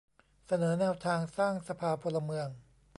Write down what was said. เสนอแนวทางสร้างสภาพลเมือง